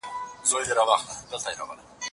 غلیمان چي مي تر زامي د نهنګ سي